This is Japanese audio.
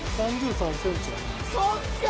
そっか！